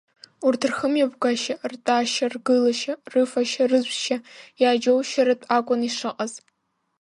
Урҭ рхымҩаԥгашьа, ртәашьа-ргылашьа, рыфашьа-рыжәшьа иааџьоушьартә акәын ишыҟаз.